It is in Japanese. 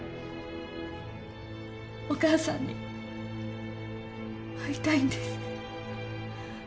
お母さんに会いたいんです